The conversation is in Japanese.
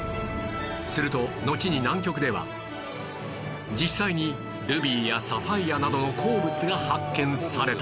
するとのちに南極では実際にルビーやサファイアなどの鉱物が発見された